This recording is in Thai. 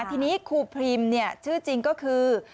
ทีนี้ครูพรีมชื่อจริงก็คือ